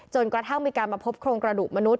กระทั่งมีการมาพบโครงกระดูกมนุษย